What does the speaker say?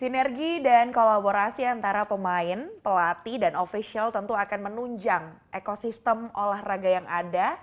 sinergi dan kolaborasi antara pemain pelatih dan ofisial tentu akan menunjang ekosistem olahraga yang ada